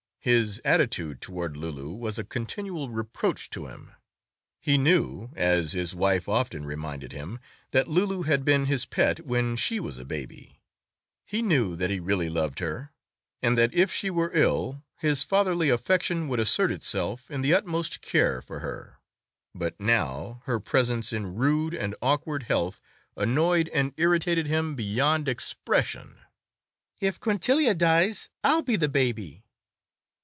His attitude toward Loulou was a continual reproach to him. He knew, as his wife often reminded him, that Loulou had been his pet when she was a baby; he knew that he really loved her, and that if she were ill his fatherly affection would assert itself in the utmost care for her; but now her presence in rude and awkward health annoyed and irritated him beyond expression. "If Quintilia dies, I'll be the baby!"